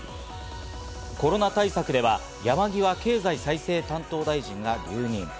コロナ対策では山際経済再生担当大臣が留任。